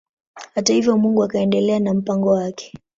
Hata hivyo Mungu akaendelea na mpango wake.